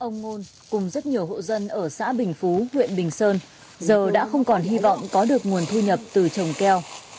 ông ngôn cùng rất nhiều hộ dân ở xã bình phú huyện bình sơn giờ đã không còn hy vọng có được nguồn thu nhập từ trồng keo